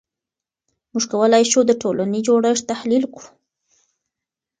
موږ کولای شو د ټولنې جوړښت تحلیل کړو.